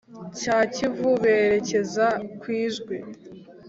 cya kivu berekeza kwijwi